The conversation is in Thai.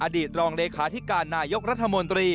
ตรองเลขาธิการนายกรัฐมนตรี